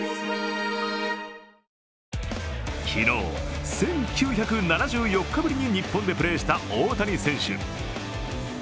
昨日、１９７４日ぶりに日本でプレーした大谷選手。